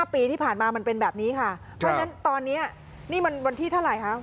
ปีที่ผ่านมามันเป็นแบบนี้ค่ะเพราะฉะนั้นตอนนี้นี่มันวันที่เท่าไหร่คะ